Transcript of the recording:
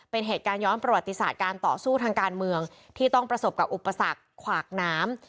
เป็นเหตุการณ์ย้อนประวัติศาสตร์การต่อสู้ทางการเมืองที่ต้องประสบกับอุปสรรคขวากน้ำ